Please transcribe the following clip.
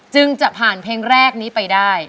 จึงจะผ่านเพลงแรกนี้ไปได้